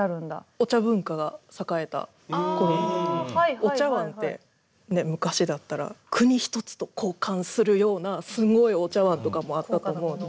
お茶文化が栄えた頃お茶碗って昔だったら国一つと交換するようなすごいお茶碗とかもあったと思うんで。